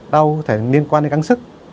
đau có thể liên quan đến căng sức